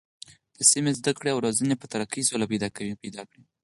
د سمې زده کړې او روزنې په تر کې سوله پیدا کړو.